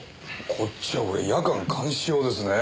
こっちはこれ夜間監視用ですね。